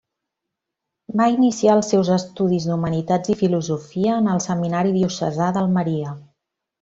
Va iniciar els seus estudis d'Humanitats i Filosofia en el Seminari Diocesà d'Almeria.